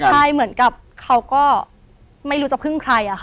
ใช่เหมือนกับเขาก็ไม่รู้จะพึ่งใครอะค่ะ